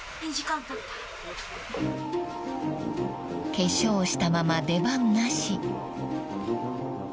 ［化粧をしたまま出番なし］